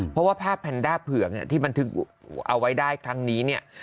เพราะว่าภาพแพนด้าเผือกที่บันทึกเอาไว้ได้ครั้งนี้เนี่ย